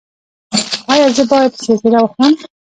ایا زه باید شیرپیره وخورم؟